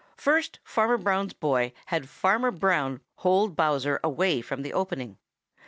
First Farmer Brown's boy had Farmer Brown bold Bowser away from the opening.